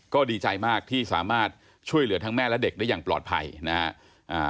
ก็ดีใจมากที่สามารถช่วยเหลือทั้งแม่และเด็กได้อย่างปลอดภัยนะฮะ